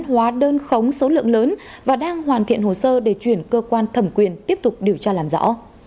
hóa đơn khống số lượng lớn và đang hoàn thiện hồ sơ để chuyển cơ quan thẩm quyền tiếp tục điều tra làm rõ